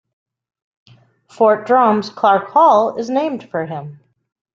Fort Drum's Clark Hall is named for him.